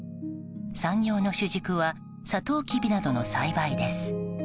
産業の主軸はサトウキビなどの栽培です。